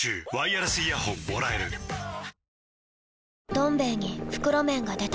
「どん兵衛」に袋麺が出た